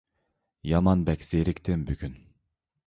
يامان بەك زېرىكتىم بۈگۈن!